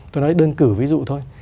tôi nói đơn cử ví dụ thôi